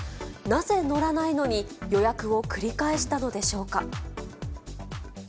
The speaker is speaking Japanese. なぜ乗らないのに、予約を繰り返したのでしょうか。